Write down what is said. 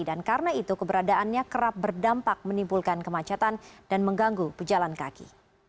dan karena itu keberadaannya kerap berdampak menimbulkan kemacetan dan mengganggu pejalan kaki